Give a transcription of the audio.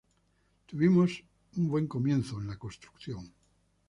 Tuvimos un buen comienzo en la construcción.